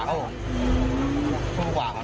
คือดูแล้วยังไงก็ไม่รอด